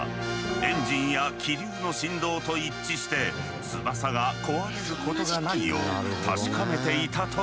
エンジンや気流の振動と一致して翼が壊れることがないよう確かめていたという。